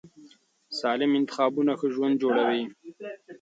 سالم انتخابونه ښه ژوند جوړوي.